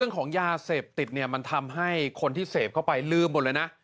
เกี่ยวว่าของหยาเสบติดมันทำให้คนที่เสบเข้าไปลืมหมดเลยนะ